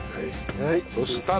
そしたら。